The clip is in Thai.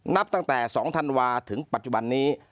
นับตั้งแต่๒ธันวาถึงปัจจุบันนี้